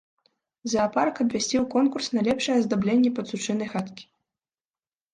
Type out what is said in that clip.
Заапарк абвясціў конкурс на лепшае аздабленне пацучынай хаткі.